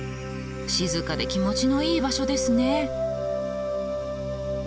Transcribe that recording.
静かで気持ちのいい場所ですね。